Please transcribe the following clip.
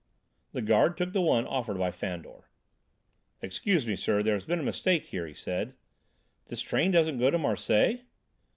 The guard took the one offered by Fandor. "Excuse me, sir, there's a mistake here," he said. "This train doesn't go to Marseilles?"